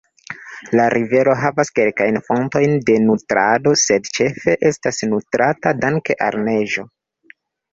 La rivero havas kelkajn fontojn de nutrado, sed ĉefe estas nutrata danke al neĝo.